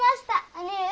兄上。